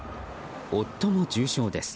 夫も重傷です。